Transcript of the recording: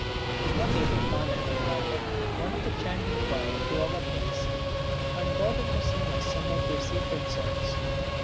One day my father invited one of the chanting choir to our place and got him to sing us some of their sacred songs.